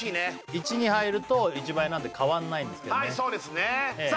１に入ると１倍なんで変わんないんですけどねさあ